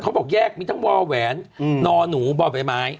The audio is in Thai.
บอกแยกมีทั้งวอแหวนนอหนูบ่อใบไม้